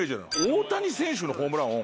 大谷選手のホームラン音